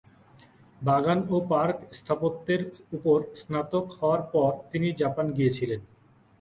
বাগান ও পার্ক স্থাপত্যের উপর স্নাতক হওয়ার পর তিনি জাপান গিয়েছিলেন।